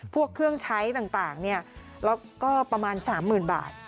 พวกเครื่องใช้ต่างแล้วก็ประมาณ๓๐๐๐บาท